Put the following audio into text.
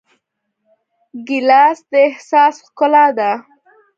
ګیلاس د احساس ښکلا ده.